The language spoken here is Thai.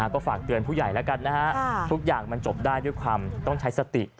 ก็ฝากเตือนผู้ใหญ่แล้วกันนะฮะทุกอย่างมันจบได้ด้วยความต้องใช้สติ